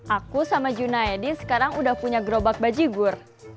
aku sama junaedi sekarang udah punya gerobak bajigur